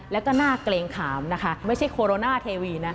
แล้วก็น่าเกรงขามนะคะไม่ใช่โคโรนาเทวีนะ